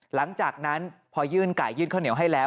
หลังจากนั้นพอยื่นไก่ยื่นข้าวเหนียวให้แล้ว